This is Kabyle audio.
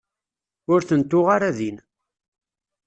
Ur ten-tuɣ ara din.